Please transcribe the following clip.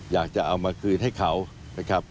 อยากจะเอามาคืนให้เขานะครับ